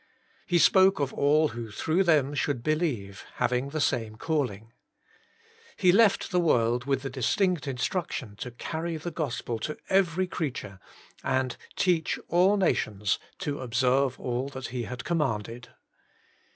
He spoke of all who through them should believe, having the same calling. He left the world with the distinct instruction to carry the Gospel to every creature, and teach all nations to observe all that He had com manded.